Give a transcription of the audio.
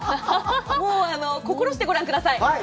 もう心してご覧ください。